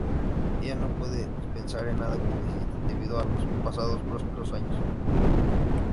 Ella no puede pensar en nada que necesiten, debido a los pasados prósperos años.